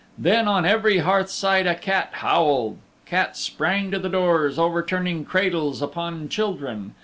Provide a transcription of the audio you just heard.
Then on every hearthstone a cat howled. Cats sprang to the doors, overturning cradles upon children.